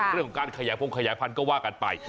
เรื่องของการขยายพงขยายพันธุ์ก็ว่ากันไป